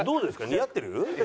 似合ってる？